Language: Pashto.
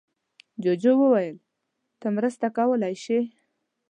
جوجو وویل ته مرسته کولی شې.